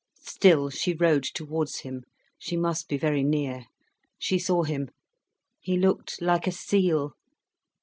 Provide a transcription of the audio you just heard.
Still she rowed towards him. She must be very near. She saw him—he looked like a seal.